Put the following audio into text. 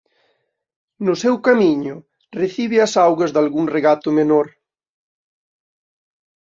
No seu camiño recibe as augas dalgún regato menor.